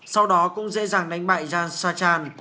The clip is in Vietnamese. sau đó cũng dễ dàng đánh bại jan sajan